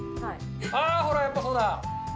ああ、ほらやっぱり、そうだ！